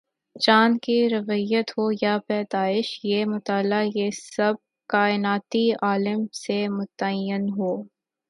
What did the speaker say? چاند کی رویت ہو یا پیدائش یا مطلع، یہ سب کائناتی علم سے متعین ہوں۔